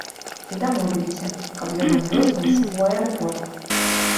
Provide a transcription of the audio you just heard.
І дамовіліся, каб ён адвёз нас у аэрапорт.